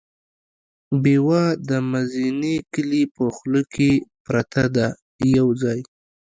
پېوه د مزینې کلي په خوله کې پرته ده یو ځای.